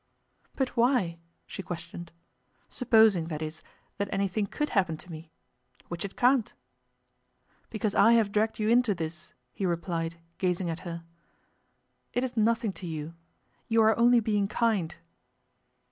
'But why?' she questioned. 'Supposing, that is, that anything could happen to me which it can't.' 'Because I have dragged you into this,' he replied, gazing at her. 'It is nothing to you. You are only being kind.